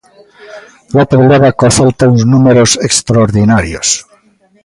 López leva co Celta uns números extraordinarios.